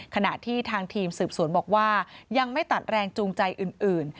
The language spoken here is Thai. ขณะที่ทางทีมสืบสวนบอกว่ายังไม่ตัดแรงจูงใจอื่น